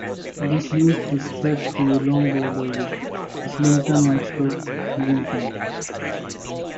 This used to stretch to a long border with Islington and Stoke Newington.